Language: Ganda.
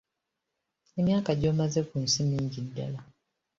Emyaka gy’omaze ku nsi mingi ddala.